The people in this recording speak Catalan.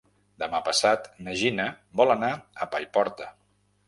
Demà passat na Gina vol anar a Paiporta.